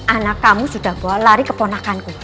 anak kamu sudah bawa lari ke ponakanku